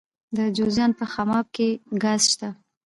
د جوزجان په خماب کې ګاز شته.